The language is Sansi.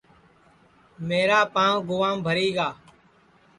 میرا پانٚو گُام بھری گا